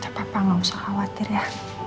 udah papa gak usah khawatir ya